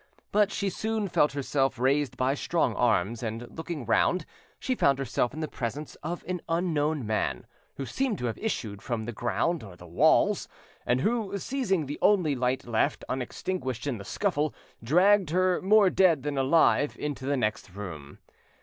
But she soon felt herself raised by strong arms, and looking round, she found herself in the presence of an unknown man, who seemed to have issued from the ground or the walls, and who, seizing the only light left unextinguished in the scuffle, dragged her more dead than alive into the next room.